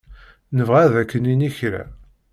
Nebɣa ad ak-nini kra.